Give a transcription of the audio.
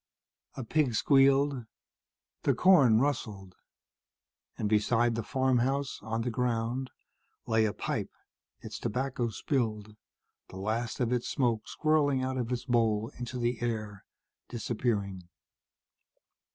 A pig squealed. The corn rustled. And beside the farmhouse, on the ground, lay a pipe, its tobacco spilled, the last of its smoke swirling out of its bowl into the air, disappearing.